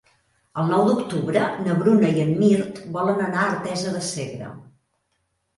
El nou d'octubre na Bruna i en Mirt volen anar a Artesa de Segre.